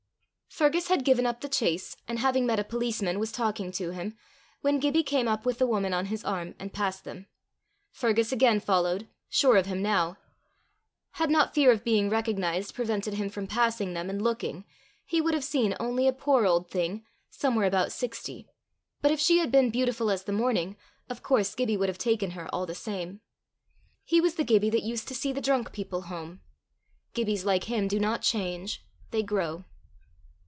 Fergus had given up the chase, and having met a policeman, was talking to him, when Gibbie came up with the woman on his arm, and passed them. Fergus again followed, sure of him now. Had not fear of being recognized prevented him from passing them and looking, he would have seen only a poor old thing, somewhere about sixty; but if she had been beautiful as the morning, of course Gibbie would have taken her all the same. He was the Gibbie that used to see the drunk people home. Gibbies like him do not change; they grow.